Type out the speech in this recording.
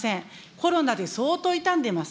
コロナで相当傷んでます。